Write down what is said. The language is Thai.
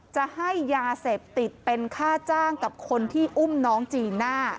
จะให้ยาเสพติดเป็นค่าจ้างกับคนที่อุ้มน้องจีน่า